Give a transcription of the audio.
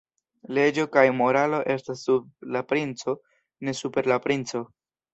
Leĝo kaj moralo estas sub la princo, ne super la princo.